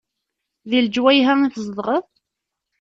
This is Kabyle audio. Deg leǧwayeh-a i tzedɣeḍ?